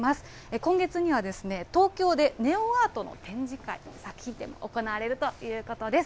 今月には、東京でネオンアートの展示会、作品展も行われるということです。